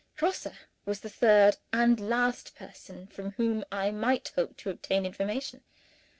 Grosse was the third, and last, person from whom I might hope to obtain information.